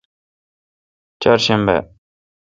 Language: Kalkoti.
چارشنبہ